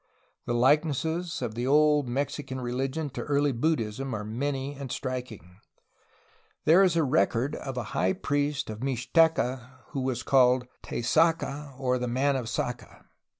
The likenesses of the old Mexi can religion to early Buddhism are many and striking. There is record of a high priest of Mixteca who was called "Taysacaa," or "the man of Sacaa."